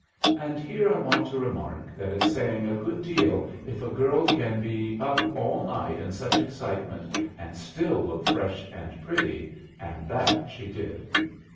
And here I want to remark that it's saying a good deal if a girl can be up all night in such excitement and still look fresh and pretty, and that she did.